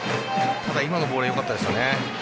ただ今のボールはよかったですね。